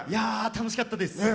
楽しかったです。